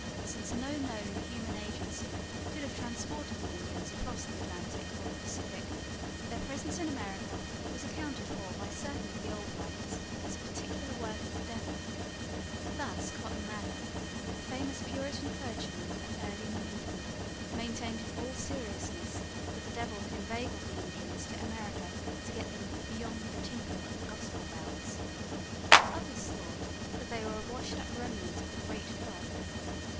Since no known human agency could have transported the Indians across the Atlantic or the Pacific, their presence in America was accounted for by certain of the old writers as a particular work of the devil. Thus Cotton Mather, the famous Puritan clergyman of early New England, maintained in all seriousness that the devil had inveigled the Indians to America to get them 'beyond the tinkle of the gospel bells.' Others thought that they were a washed up remnant of the great flood.